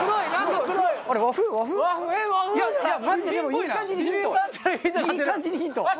いい感じにヒント。